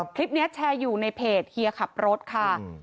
คลิปนี้แชร์อยู่ในเพจเฮียขับรถค่ะ